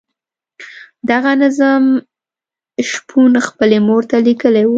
دغه نظم شپون خپلې مور ته لیکلی وو.